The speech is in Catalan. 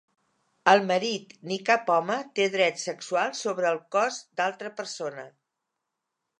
El marit ni cap home té dret sexual sobre el cos d'altra persona.